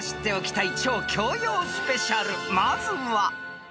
［まずは］